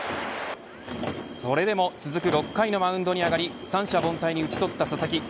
それでも続く６回のマウンドに上がり三者凡退に打ち取った佐々木。